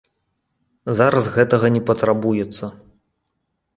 Зараз гэтага не патрабуецца.